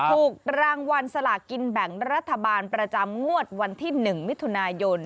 ถูกรางวัลสลากินแบ่งรัฐบาลประจำงวดวันที่๑มิถุนายน